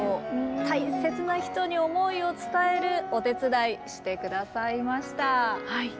大切な人に思いを伝えるお手伝いして下さいました。